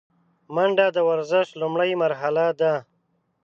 منډه د ورزش لومړۍ مرحله ده